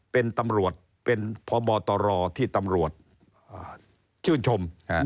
เป็นตำรวจเป็นพบตรที่ตำรวจชื่นชม